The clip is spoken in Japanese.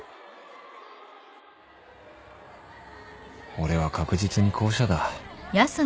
俺は確実に後者だ